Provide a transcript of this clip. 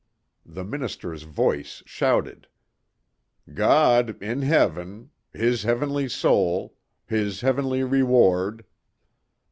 The minister's voice shouted. "God, in Heaven ... his heavenly soul ... his heavenly reward...."